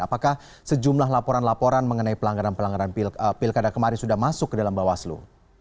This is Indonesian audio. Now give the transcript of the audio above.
apakah sejumlah laporan laporan mengenai pelanggaran pelanggaran pilkada kemarin sudah masuk ke dalam bawaslu